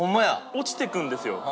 落ちていくんですよ。